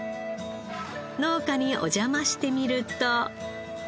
農家にお邪魔してみると。